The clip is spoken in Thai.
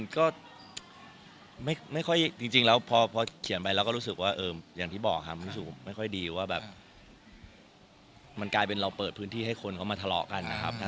ก็ไม่ค่อยจริงรักพอเขียนไปก็รู้สึกว่ามันกลายเป็นเร่อประเภทให้คนมาทะเลาะกันนะครับ